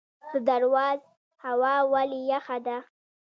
د درواز هوا ولې یخه ده؟